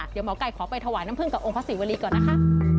เดี๋ยวหมอไก่ขอไปถวายน้ำพึ่งกับองค์พระศรีวรีก่อนนะคะ